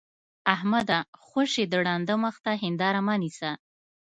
احمده! خوشې د ړانده مخ ته هېنداره مه نيسه.